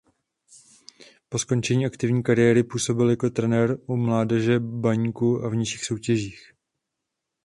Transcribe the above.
Po skončení aktivní kariéry působil jako trenér u mládeže Baníku a v nižších soutěžích.